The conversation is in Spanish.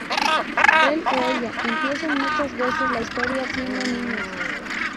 Él o ella empiezan muchas veces la historia siendo niños.